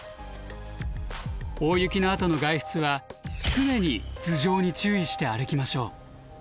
大雪のあとの外出は常に頭上に注意して歩きましょう。